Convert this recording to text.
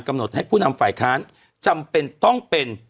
หดให้ผู้นำฝ่ายค้านจำเป็นต้องเป็น